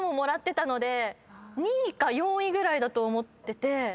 ２位か４位ぐらいだと思ってて。